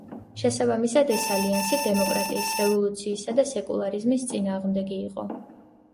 შესაბამისად, ეს ალიანსი დემოკრატიის, რევოლუციისა და სეკულარიზმის წინააღმდეგი იყო.